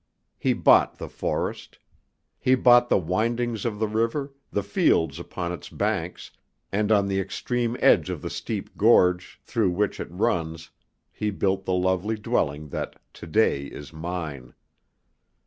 He bought the forest. He bought the windings of the river, the fields upon its banks, and on the extreme edge of the steep gorge through which it runs he built the lovely dwelling that to day is mine.